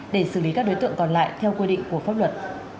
để xử lý các đối tượng còn lại theo quy định của pháp luật